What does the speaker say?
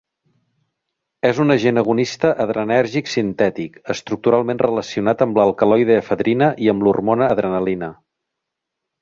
És un agent agonista adrenèrgic sintètic, estructuralment relacionat amb l'alcaloide efedrina i amb l'hormona adrenalina.